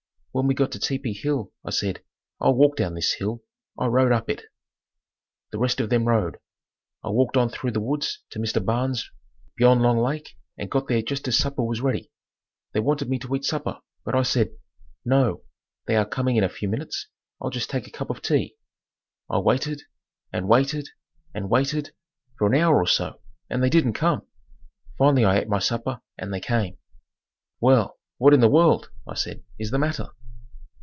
When we got to Tepee hill I said, "I'll walk down this hill. I rode up it." The rest of them rode. I walked on through the woods to Mr. Barnes' beyond Long Lake and got there just as supper was ready. They wanted me to eat supper, but I said, "No, they are coming on in a few minutes. I'll just take a cup of tea." I waited and waited and waited for an hour or so; and they didn't come. Finally I ate my supper and they came. "Well, what in the world," I said, "is the matter?"